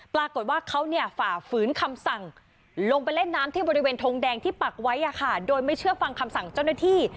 ปรากฏว่าเขาฝ่าฝืนคำสั่งลงไปเล่นน้ำที่บริเวณทงแดงที่ปักไว้โดยไม่เชื่อฟังคำสั่งเจ้าหน้าที่